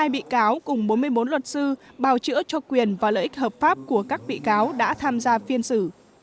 một mươi bị cáo cùng bốn mươi bốn luật sư bào chữa cho quyền và lợi ích hợp pháp của các bị cáo đã tham gia phiên xử